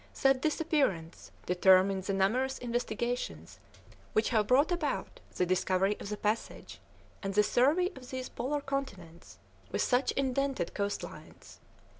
That disappearance determined the numerous investigations which have brought about the discovery of the passage, and the survey of these Polar continents, with such indented coast lines.